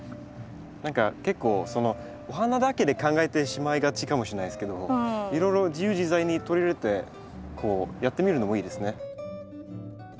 何か結構お花だけで考えてしまいがちかもしれないですけどいろいろ自由自在に取り入れてこうやってみるのもいいですね。